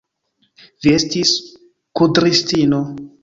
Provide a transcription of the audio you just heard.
Vi estis kudristino!